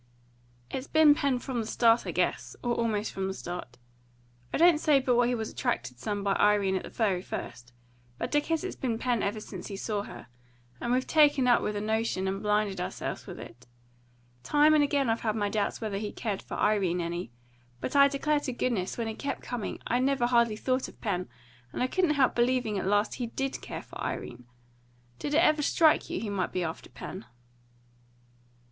"It's been Pen from the start, I guess, or almost from the start. I don't say but what he was attracted some by Irene at the very first; but I guess it's been Pen ever since he saw her; and we've taken up with a notion, and blinded ourselves with it. Time and again I've had my doubts whether he cared for Irene any; but I declare to goodness, when he kept coming, I never hardly thought of Pen, and I couldn't help believing at last he DID care for Irene. Did it ever strike you he might be after Pen?"